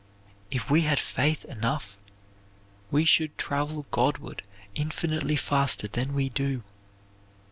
If we had faith enough we should travel Godward infinitely faster than we do.